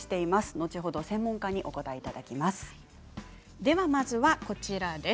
後ほど専門家にお答えいただきます。